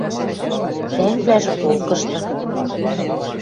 Тӓнгвлӓжӹ полкышты...